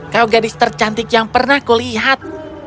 kau gadis tercantik yang pernah kulihat